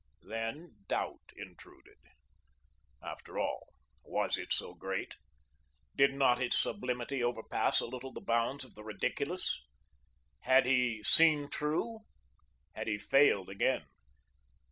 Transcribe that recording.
Then doubt intruded. After all, was it so great? Did not its sublimity overpass a little the bounds of the ridiculous? Had he seen true? Had he failed again?